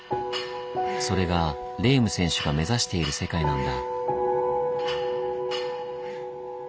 それがレーム選手が目指している世界なんだ。